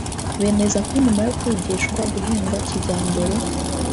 Bemeza ko nyuma yo kwigishwa guhinga kijyambere